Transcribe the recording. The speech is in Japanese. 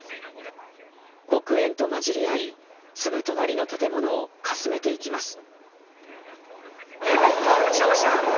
黒煙と混じり合いすぐ隣の建物をかすめていきます。